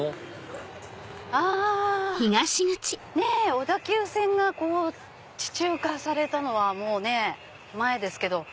小田急線が地中化されたのはもうね前ですけど。